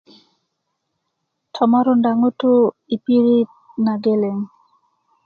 tomorundá ŋutú i pirit na geleŋ